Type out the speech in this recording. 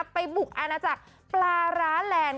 ไปบุกอาณาจักรปลาร้าแลนด์